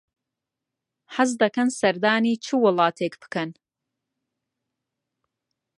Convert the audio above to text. حەز دەکەن سەردانی چ وڵاتێک بکەن؟